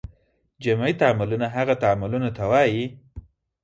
جمعي تعاملونه هغه تعاملونو ته وایي.